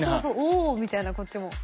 「お！」みたいなこっちも。